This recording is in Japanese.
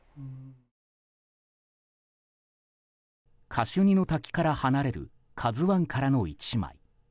カシュニの滝から離れる「ＫＡＺＵ１」からの１枚。